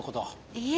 いえ。